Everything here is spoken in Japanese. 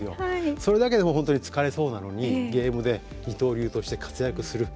それだけで本当に疲れそうなのにゲームで二刀流として活躍する。